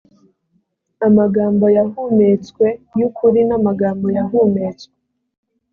amagambo yahumetswe y ukuri n amagambo yahumetswe